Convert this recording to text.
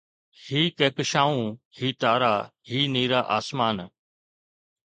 هي ڪهڪشائون، هي تارا، هي نيرا آسمان